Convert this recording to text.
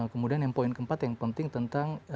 kemudian yang poin keempat yang penting tentang